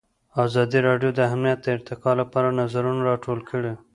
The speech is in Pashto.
ازادي راډیو د امنیت د ارتقا لپاره نظرونه راټول کړي.